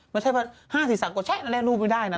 ไม่ใช่ว่า๕๑๐สังกฎเรียกรูปไม่ได้นะ